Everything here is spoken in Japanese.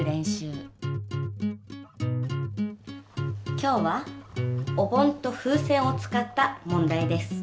今日はお盆と風船を使った問題です。